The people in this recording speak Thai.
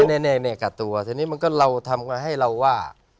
แน่กับตัวทีนี้มันก็เราทำให้เราว่า